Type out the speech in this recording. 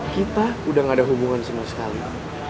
kita udah gak ada hubungan sama sekali